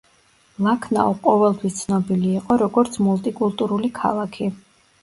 ლაქნაუ ყოველთვის ცნობილი იყო, როგორც მულტიკულტურული ქალაქი.